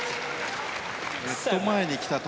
ネット前に来た球